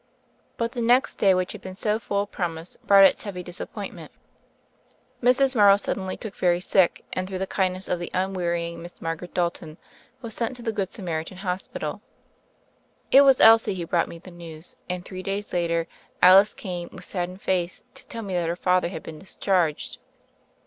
But the next day, which had been so full of promise, brought its heavy disappointment. Mrs. Morrow suddenly took very sick, and, through the kindness of the unwearying Miss Margaret Dalton, was sent to the Good Samari tan Hospital. It was Elsie who brought me the news; and three days later, Alice came, with saddened face, to tell me that her father had been discharged.